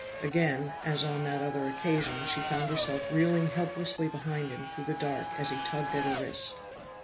Again, as on that other occasion, she found herself reeling helplessly behind him through the dark as he tugged at her wrist.